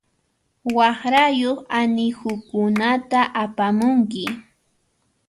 Waqrayuq anihukunata apamunki.